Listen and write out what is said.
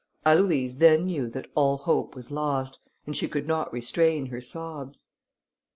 Aloïse then knew that all hope was lost, and she could not restrain her sobs.